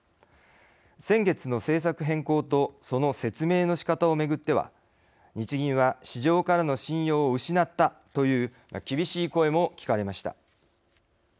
先月の政策変更とその説明の仕方を巡っては日銀は市場からの信用を失ったという厳しい声も聞かれました。